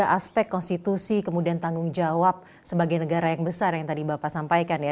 aspek konstitusi kemudian tanggung jawab sebagai negara yang besar yang tadi bapak sampaikan ya